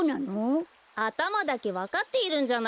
あたまだけわかっているんじゃないですか？